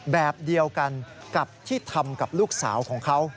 แบบเดียวกันกับที่ทำกับลูกสาวของเขา